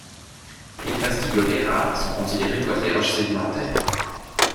Les plastiglomérats sont considérés comme des roches sédimentaires.